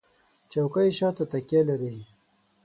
چوکۍ شاته تکیه لري.